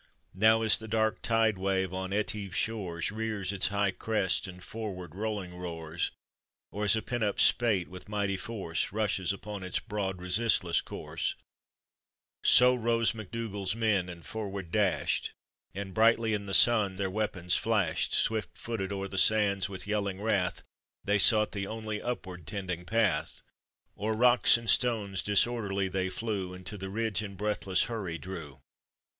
Now as the dark tide wave on Etive's shores Hears its high crest and forward rolling roars, Or as a pent up spate, with mighty force, Rushes upon its broad, resistless course, So rose MacDougall's men, and forward dashed, And brightly in the sun their weapons flashed, Swift footed o'er the sands with yelling wrath, They sought the only upward tending path; O'er rocks and stones disorderly they flew, And to the ridge in breathless hurry drew.